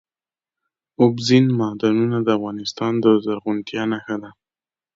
اوبزین معدنونه د افغانستان د زرغونتیا نښه ده.